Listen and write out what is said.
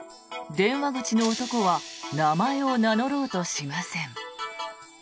電話口の男は名前を名乗ろうとしません。